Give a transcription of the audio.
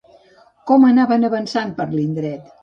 Com anaven avançant per l'indret?